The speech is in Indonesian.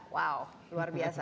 wow luar biasa